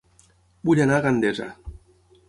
Vull anar a Gandesa